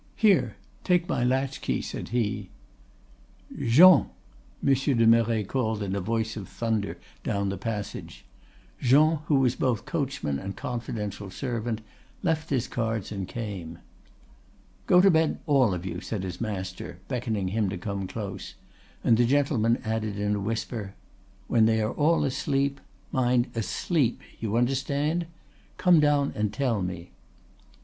'Here, take my latch key,' said he. "'Jean!' Monsieur de Merret called in a voice of thunder down the passage. Jean, who was both coachman and confidential servant, left his cards and came. "'Go to bed, all of you,' said his master, beckoning him to come close; and the gentleman added in a whisper, 'When they are all asleep—mind, asleep—you understand?—come down and tell me.